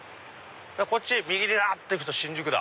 こっち右行くと新宿だ。